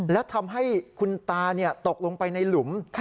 และทำให้คุณตาตกลงไปในหลุม